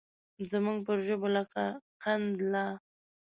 زموږ پر ژبو لکه قند لا